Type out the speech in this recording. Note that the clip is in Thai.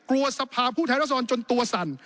กลัวศภาพผู้ท่าเรืออาสดรจนตัวสั่น